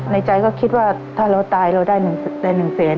ในใจก็คิดว่าถ้าเราตายเราได้๑แสน